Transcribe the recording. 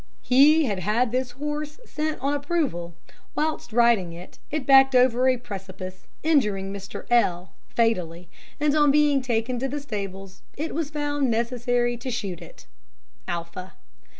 "'He had had this horse sent on approval; whilst riding it, it backed over a precipice, injuring Mr. L fatally, and on being taken to the stables it was found necessary to shoot it.' Alpha."